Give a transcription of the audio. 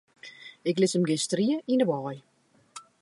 Ik lis him gjin strie yn 'e wei.